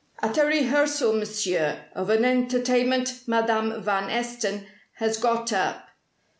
"At a rehearsal, Monsieur, of an entertainment Madame van Esten has got up.